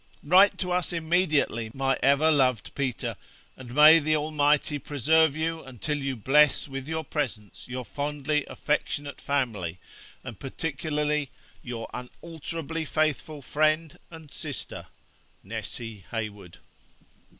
Write to us immediately, my ever loved Peter, and may the Almighty preserve you until you bless with your presence your fondly affectionate family, and particularly your unalterably faithful friend and sister, (Signed) 'NESSY HEYWOOD.'